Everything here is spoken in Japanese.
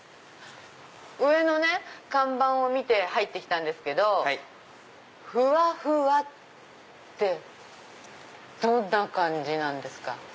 上の看板を見て入って来たんですけどふわふわってどんな感じなんですか？